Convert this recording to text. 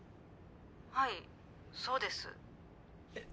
はいそうです。えっ。